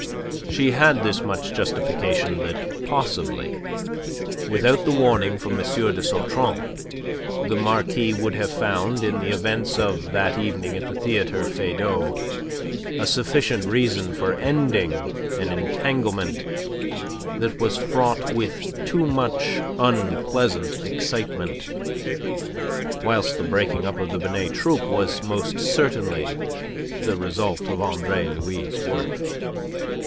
She had this much justification that possibly, without the warning from M. de Sautron, the Marquis would have found in the events of that evening at the Theatre Feydau a sufficient reason for ending an entanglement that was fraught with too much unpleasant excitement, whilst the breaking up of the Binet Troupe was most certainly the result of Andre Louis' work.